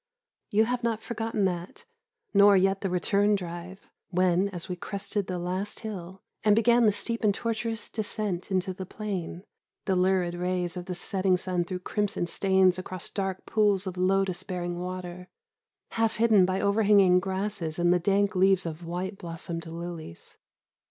You have not forgotten that, nor yet the return drive, when, as we crested the last hill, and began the steep and tortuous descent into the plain, the lurid rays of the setting sun threw crimson stains across dark pools of lotus bearing water, half hidden by overhanging grasses and the dank leaves of white blossomed lilies.